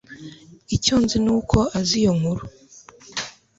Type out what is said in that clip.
icyo nzi nuko azi iyo nkuru